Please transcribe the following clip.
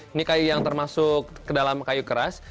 ini kayu yang termasuk ke dalam kayu keras